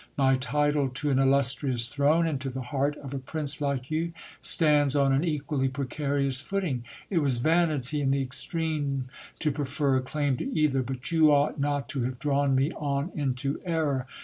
My title to an illustrious throne, and to the heart of a prince like you, stands on an equally precarious footing. It was vanity in the extreme to prefer a claim to either : but you ought not to have drawn me on into error.